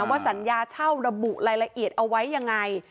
ว่าสัญญาเช่าระบุรายละเอียดเอาไว้ยังไง